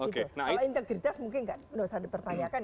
kalau integritas mungkin tidak usah dipertanyakan